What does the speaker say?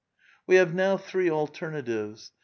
We have now three alternatives.